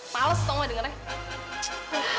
males dong gue dengernya